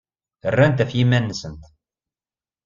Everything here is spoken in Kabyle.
Rrant ɣef yiman-nsent.